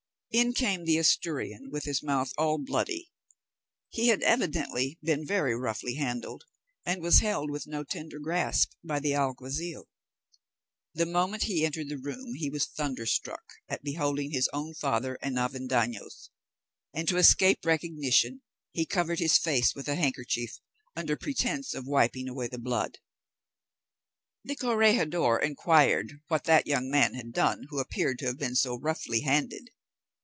In came the Asturian with his mouth all bloody. He had evidently been very roughly handled, and was held with no tender grasp by the alguazil. The moment he entered the room he was thunderstruck at beholding his own father and Avendaño's, and to escape recognition he covered his face with a handkerchief, under pretence of wiping away the blood. The corregidor inquired what that young man had done who appeared to have been so roughly handed.